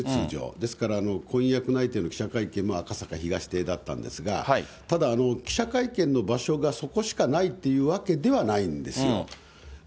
ですから、婚約内定の記者会見も赤坂東邸だったんですが、ただ、記者会見の場所がそこしかないっていうわけではないんですよ。